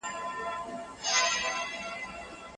مثبت معلومات د فکر په سمون کي مرسته کوي.